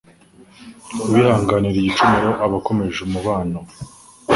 Uwihanganira igicumuro aba akomeje umubano